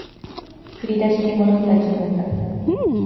振り出しに戻った気分だ